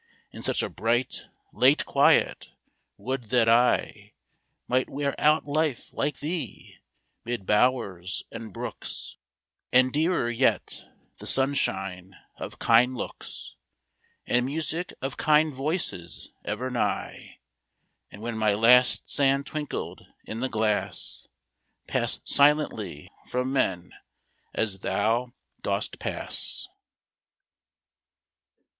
In such a bright, late quiet, would that I Might wear out life like thee, mid bowers and brooks, And, dearer yet, the sunshine of kind looks, And music of kind voices ever nigh; And when my last sand twinkled in the glass, Pass silently from men, as thou dost pass.